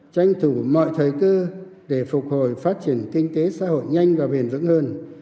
tranh thủ mọi thời cơ để phục hồi phát triển kinh tế xã hội nhanh và bền vững hơn